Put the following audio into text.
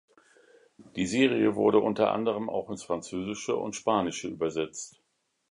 Die Serie wurde unter anderem auch ins Französische und Spanische übersetzt.